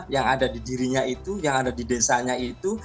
yang ada di dirinya itu yang ada di desanya itu